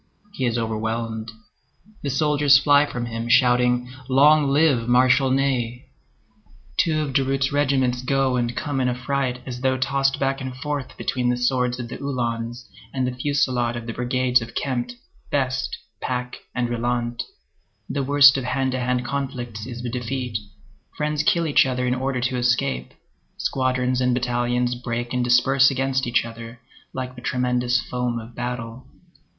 He is overwhelmed. The soldiers fly from him, shouting, "Long live Marshal Ney!" Two of Durutte's regiments go and come in affright as though tossed back and forth between the swords of the Uhlans and the fusillade of the brigades of Kempt, Best, Pack, and Rylandt; the worst of hand to hand conflicts is the defeat; friends kill each other in order to escape; squadrons and battalions break and disperse against each other, like the tremendous foam of battle.